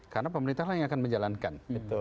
karena pemerintah yang akan menjalankan